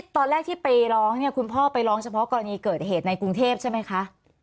ตอนแรกที่ไปร้องเนี่ยคุณพ่อไปร้องเฉพาะกรณีเกิดเหตุในกรุงเทพใช่ไหมคะ